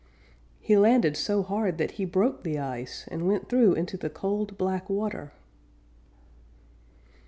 He landed so hard that he broke the ice, and went through into the cold, black water.